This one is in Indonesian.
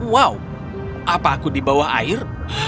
wow apa aku di bawah air